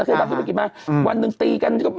แบบธุรกิจมาวันหนึ่งตีกัน